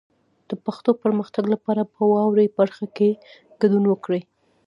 د پښتو پرمختګ لپاره په واورئ برخه کې ګډون وکړئ.